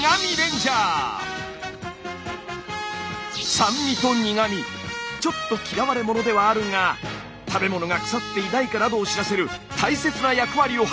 酸味と苦味ちょっと嫌われ者ではあるが食べ物が腐っていないかなどを知らせる大切な役割を果たしている。